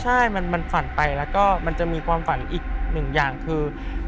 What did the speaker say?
ใช่มันฝันไปแล้วก็มันจะมีความฝันอีกหนึ่งอย่างคือ